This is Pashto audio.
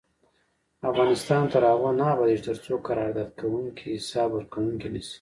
افغانستان تر هغو نه ابادیږي، ترڅو قرارداد کوونکي حساب ورکوونکي نشي.